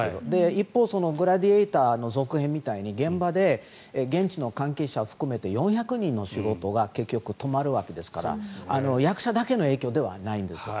一方、「グラディエーター」の続編みたいに現場で現地の関係者を含めて４００人の仕事が結局、止まるわけですから役者だけの影響ではないんです。